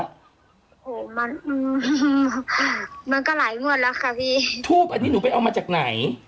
โอ้โหมันอืมมันก็หลายงวดแล้วค่ะพี่ทูปอันนี้หนูไปเอามาจากไหน